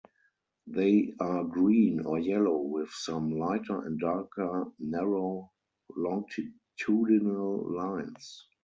They are green or yellow with some lighter and darker narrow longitudinal lines.